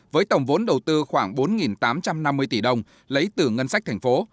với tổng vốn đầu tư khoảng bốn tám trăm năm mươi tỷ đồng lấy từ ngân sách thành phố